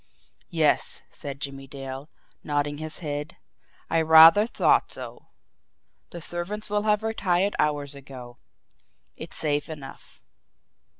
"Yes," said Jimmie Dale, nodding his head, "I rather thought so. The servants will have retired hours ago. It's safe enough."